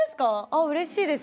うれしいです。